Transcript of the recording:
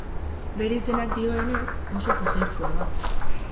Bere izenak dioenez oso pozoitsua da.